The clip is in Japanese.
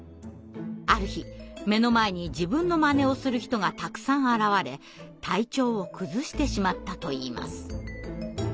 ある日目の前に自分の真似をする人がたくさん現れ体調を崩してしまったといいます。